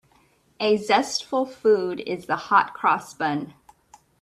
A zestful food is the hot-cross bun.